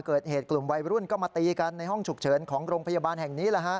เกิดเหตุกลุ่มวัยรุ่นก็มาตีกันในห้องฉุกเฉินของโรงพยาบาลแห่งนี้